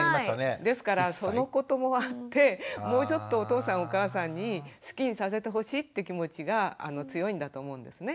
ですからそのこともあってもうちょっとお父さんお母さんに好きにさせてほしいって気持ちが強いんだと思うんですね。